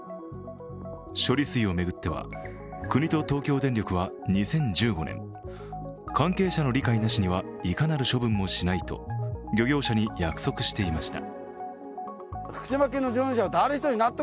処理水を巡っては国と東京電力は２０１５年、関係者の理解なしにはいかなる処分もしないと漁業者に約束していました。